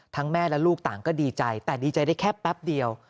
แม่และลูกต่างก็ดีใจแต่ดีใจได้แค่แป๊บเดียว